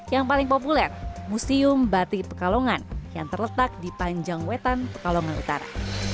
yang paling populer museum batik pekalongan yang terletak di panjang wetan pekalongan utara